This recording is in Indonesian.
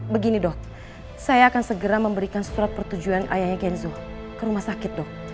begini dok saya akan segera memberikan surat persetujuan ayahnya kenzo ke rumah sakit dok